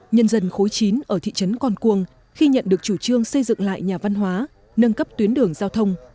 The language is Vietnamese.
nhân dân khối chín ở thị trấn con cuông khi nhận được chủ trương xây dựng lại nhà văn hóa nâng cấp tuyến đường giao thông